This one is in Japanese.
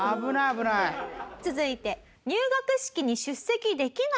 続いて入学式に出席できない。